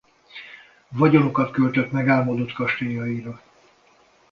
Vagyonokat költött megálmodott kastélyaira.